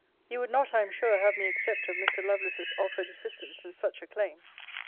You would not, I am sure, have me accept of Mr. Lovelace's offered assistance in such a claim.